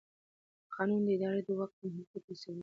قانون د ادارې د واک د محدودیت وسیله ده.